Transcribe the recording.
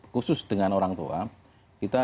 khusus dengan orang tua kita